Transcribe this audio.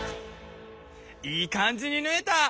いい感じにぬえた！